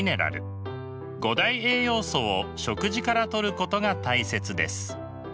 五大栄養素を食事からとることが大切です。